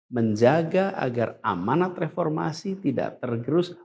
menjaga agar amanat reformasi tidak tergerus